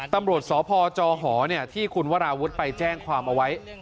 ตำรวจสพจหที่คุณวราวุฒิไปแจ้งความเอาไว้